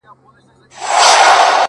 • دا دنیا له هر بنده څخه پاتیږي,